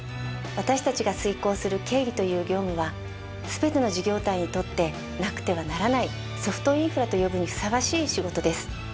私たちが遂行する経理という業務は全ての事業体にとってなくてはならないソフトインフラと呼ぶにふさわしい仕事です。